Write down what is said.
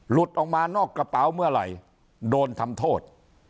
หลุดออกมานอกกระเป๋าเมื่อไหร่โดนทำโทษ